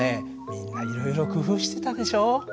みんないろいろ工夫してたでしょ。